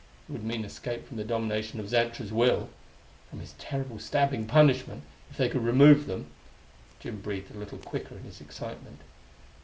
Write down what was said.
It would mean escape from the domination of Xantra's will! from his terrible stabbing punishment! if they could remove them! Jim breathed a little quicker in his excitement.